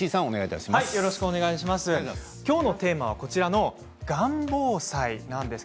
今日のテーマこちらです。